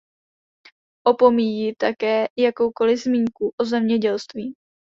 Opomíjí také jakoukoliv zmínku o zemědělství.